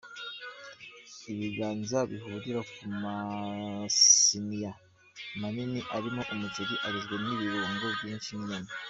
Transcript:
Ibiganza bihurira ku masiniya manini arimo umuceri ugizwe n’ibirungo byinshi n’inyama.